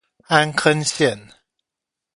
安坑線